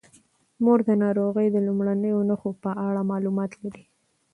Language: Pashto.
مور د ناروغۍ د لومړنیو نښو په اړه معلومات لري.